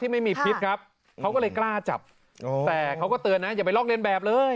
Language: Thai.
ไม่มีพิษครับเขาก็เลยกล้าจับแต่เขาก็เตือนนะอย่าไปลอกเรียนแบบเลย